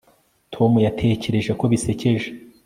tom yatekereje ko bisekeje